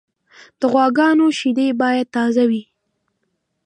د غواګانو شیدې باید تازه وي.